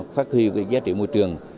phát huy giá trị môi trường